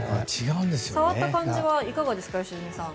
触った感じはどうですか良純さん。